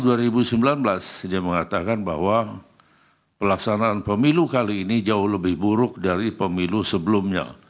sejak mengatakan bahwa pelaksanaan pemilu kali ini jauh lebih buruk dari pemilu sebelumnya